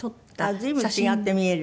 随分違って見える。